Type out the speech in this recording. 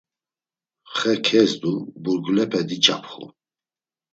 Xe kezdu, burgulepe ciç̌apxu.